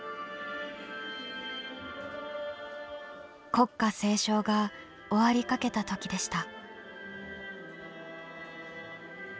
国歌斉唱が終わりかけた時でした。